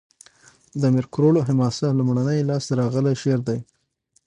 د امیر کروړ حماسه؛ لومړنی لاس ته راغلی شعر دﺉ.